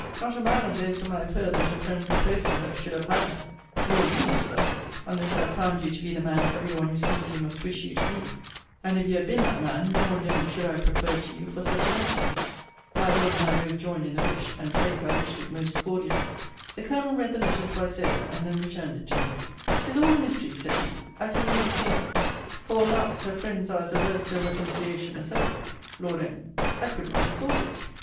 Not a man of those whom I have heard that her friends proposed for her should have had her. Nor you, Mr. Lovelace, unless I had found you to be the man every one who sees you must wish you to be: and if you had been that man, no one living should I have preferred to you for such an excellence. My Lord and I both joined in the wish: and 'faith I wished it most cordially. The Colonel read the letter twice over, and then returned it to me. 'Tis all a mystery, said he. I can make nothing of it. For, alas! her friends are as averse to a reconciliation as ever. Lord M. I could not have thought it.